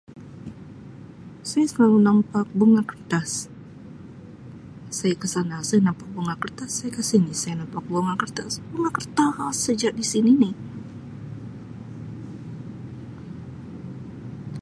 Saya selalu nampak bunga kertas, saya ke sana saya nampak bunga kertas, saya ke sini saya nampak bunga kertas, bunga kertas seja di sini ni.